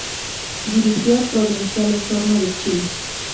Dirigió a Provincial Osorno de Chile.